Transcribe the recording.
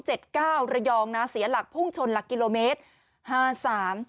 เก้าระยองนะเสียหลักพุ่งชนหลักกิโลเมตรห้าสาม